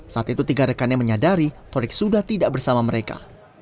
saat itu tiga rekannya menyadari torik sudah tidak bersama mereka